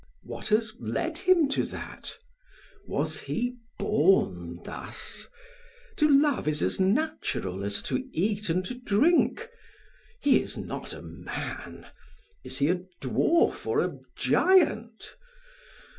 "What has led him to that? Was he born thus? To love is as natural as to eat and to drink. He is not a man. Is he a dwarf or a giant?